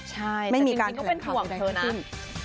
ใช่แต่จริงก็เป็นส่วนเธอนะไม่มีการแถลงข่าวไปได้ขึ้น